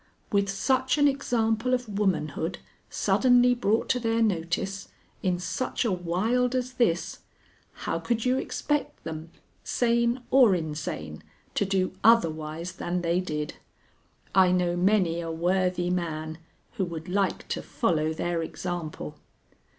With such an example of womanhood suddenly brought to their notice in such a wild as this, how could you expect them, sane or insane, to do otherwise than they did? I know many a worthy man who would like to follow their example."